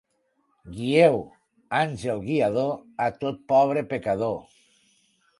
Guieu, àngel guiador, a tot pobre pecador.